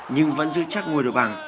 nhưng vẫn giữ chắc ngôi đội bảng